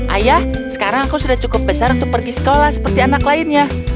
ayah sekarang aku sudah cukup besar untuk pergi sekolah seperti anak lainnya